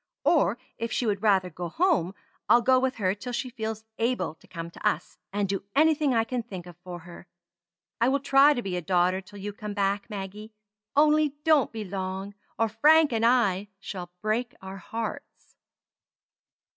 Or if she would rather go home, I'll go with her till she feels able to come to us, and do anything I can think of for her. I will try to be a daughter till you come back, Maggie; only don't be long, or Frank and I shall break our hearts."